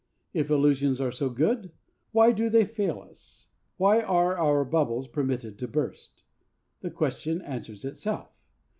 If illusions are so good, why do they fail us? Why are our bubbles permitted to burst? The question answers itself.